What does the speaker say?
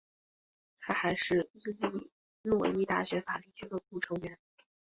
他还是伊利诺伊大学法律俱乐部成员。